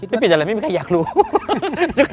ไม่เปลี่ยนอะไรไม่มีใครอยากรู้